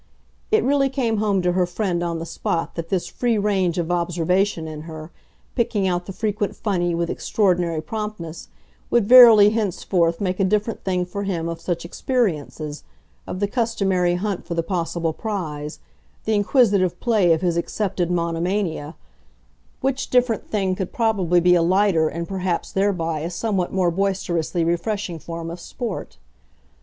It really came home to her friend on the spot that this free range of observation in her, picking out the frequent funny with extraordinary promptness, would verily henceforth make a different thing for him of such experiences, of the customary hunt for the possible prize, the inquisitive play of his accepted monomania; which different thing could probably be a lighter and perhaps thereby a somewhat more boisterously refreshing form of sport.